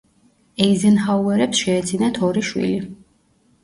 ეიზენჰაუერებს შეეძინათ ორი შვილი.